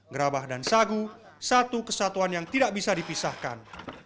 gerabah dan sagu satu kesatuan yang tidak bisa dipisahkan